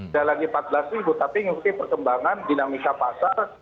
tidak lagi rp empat belas ribu tapi mengikuti perkembangan dinamika pasar